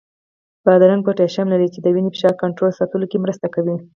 بادرنګ پوتاشیم لري، چې د وینې فشار کنټرول ساتلو کې مرسته کوي.